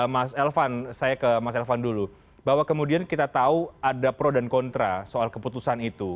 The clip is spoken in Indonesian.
mas elvan saya ke mas elvan dulu bahwa kemudian kita tahu ada pro dan kontra soal keputusan itu